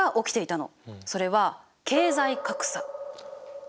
それは経済格差？